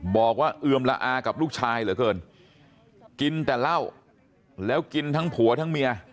เอือมละอากับลูกชายเหลือเกินกินแต่เหล้าแล้วกินทั้งผัวทั้งเมีย